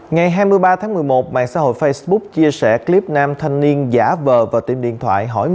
ngày hai mươi ba tháng một mươi một mạng xã hội facebook chia sẻ clip nam thanh niên giả vờ vào tiệm điện thoại hỏi